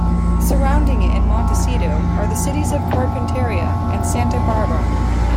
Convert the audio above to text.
Surrounding it and Montecito are the cities of Carpinteria and Santa Barbara.